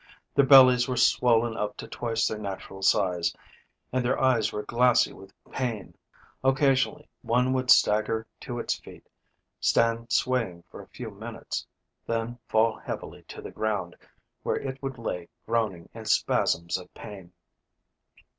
Their bellies were swollen up to twice their natural size and their eyes were glassy with pain. Occasionally one would stagger to its feet, stand swaying for a few minutes, then fall heavily to the ground, where it would lay groaning in spasms of pain.